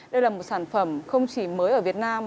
đây là một sản phẩm không chỉ mới ở việt nam